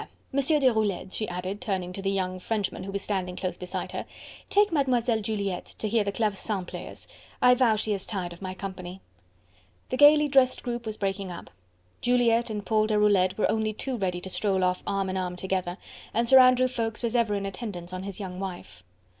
Monsieur Deroulede," she added, turning to the young Frenchman who was standing close beside her, "take Mlle. Juliette to hear the clavecin players. I vow she is tired of my company." The gaily dressed group was breaking up. Juliette and Paul Deroulede were only too ready to stroll off arm in arm together, and Sir Andrew Ffoulkes was ever in attendance on his young wife.